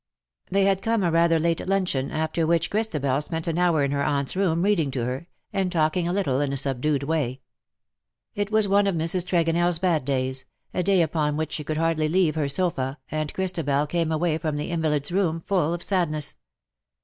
Then had come a rather late luncheon, after which Christabel spent an hour in her aunt's room reading to her, and talking a little in a subdued way. It 118 '^ THAT LIP AND VOICE was one of Mrs. Tregonell^s bad days, a day upon whicli she could hardly leave her sofa, and Christabel came away from the invalid^s room full of sadness.